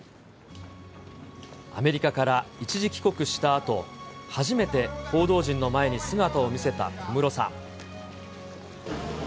アメリカから一時帰国したあと、初めて報道陣の前に姿を見せた小室さん。